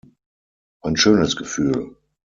Ein schönes Gefühl.